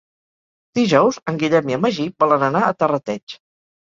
Dijous en Guillem i en Magí volen anar a Terrateig.